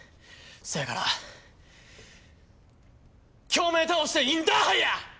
せやから京明倒してインターハイや！